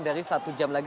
dari satu jam lagi